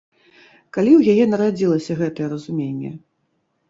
Калі ў яе нарадзілася гэтае разуменне?